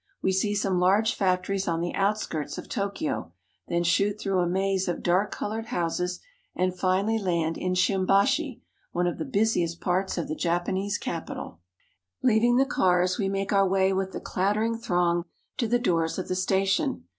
We see some large factories on the outskirts of Tokyo, then shoot through a maze of dark colored houses, and finally land in Shimbashi, one of the busiest parts of the Japanese capital. Leaving the cars, we make our way with the clattering throng to the doors of the station.